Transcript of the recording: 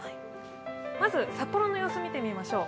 まず札幌の様子を見てみましょう。